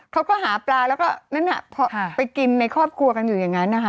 เขาก็หาปลาแล้วก็ไปกินในครอบครัวกันอยู่อย่างนั้น